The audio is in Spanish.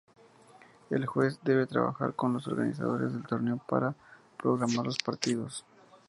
El juez debe trabajar con los organizadores del torneo para programar los partidos.